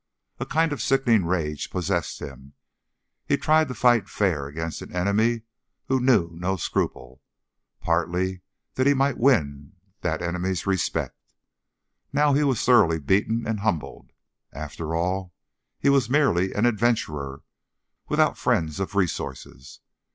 A kind of sickening rage possessed him. He had tried to fight fair against an enemy who knew no scruple, partly that he might win that enemy's respect. Now he was thoroughly beaten and humbled. After all, he was merely an adventurer, without friends of resources.